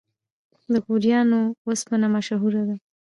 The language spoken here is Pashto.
د غوریان وسپنه مشهوره ده